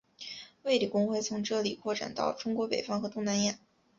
卫理公会从这里扩展到中国北方和东南亚。